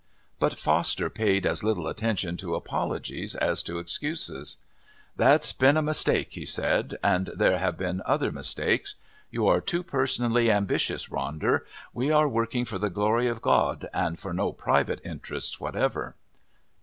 But Foster paid as little attention to apologies as to excuses. "That's been a mistake," he said; "and there have been other mistakes. You are too personally ambitious, Ronder. We are working for the glory of God and for no private interests whatever."